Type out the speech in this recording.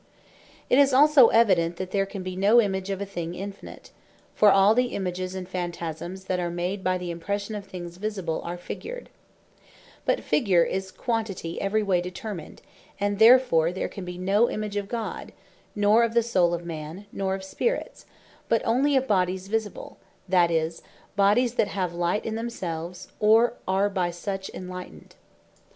It is also evident, that there can be no Image of a thing Infinite: for all the Images, and Phantasmes that are made by the Impression of things visible, are figured: but Figure is a quantity every way determined: And therefore there can bee no Image of God: nor of the Soule of Man; nor of Spirits, but onely of Bodies Visible, that is, Bodies that have light in themselves, or are by such enlightened.